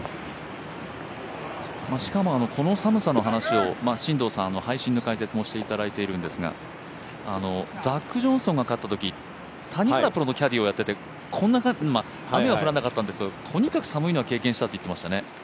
しかもこの寒さの解説、進藤さん、配信の解説もしていただいているんですがザック・ジョンソンが勝ったとき谷原プロのキャディーをしていて雨は降らなかったんですけど、とにかく寒いの経験したと言っていましたね。